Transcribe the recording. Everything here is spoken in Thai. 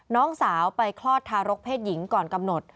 น้องสาวไปคลอดทารกเพศหญิงก่อนกำหนด